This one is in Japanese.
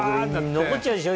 残っちゃうでしょ